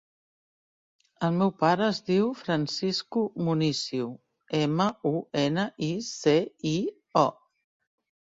El meu pare es diu Francisco Municio: ema, u, ena, i, ce, i, o.